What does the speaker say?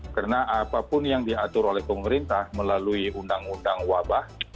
karena apapun yang diatur oleh pemerintah melalui undang undang wabah